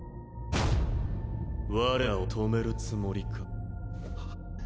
我らを止めるつもりか？